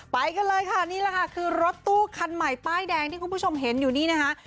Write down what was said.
ไปกันเลยค่ะนี่แหละค่ะคือรถตู้คันใหม่ป้ายแดงที่คุณผู้ชมเห็นอยู่นี้นะคะ